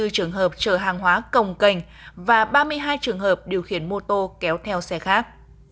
hai mươi trường hợp chở hàng hóa cồng cành và ba mươi hai trường hợp điều khiển mô tô kéo theo xe khác